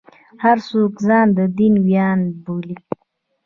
هر څوک ځان د دین ویاند بولي.